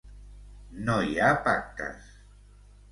No hi ha pactes!